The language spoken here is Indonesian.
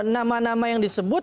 nama nama yang disebut